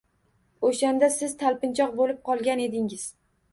O‘shanda siz talpinchoq bo‘lib qolgan edingiz.